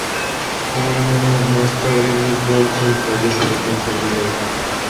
Un año más tarde, Mick Ronson fallece de cáncer de hígado.